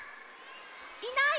いない？